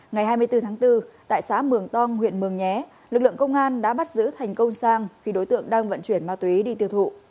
ngày hai mươi bốn tháng bốn tại xã mường tong huyện mường nhé lực lượng công an đã bắt giữ thành công sang khi đối tượng đang vận chuyển ma túy đi tiêu thụ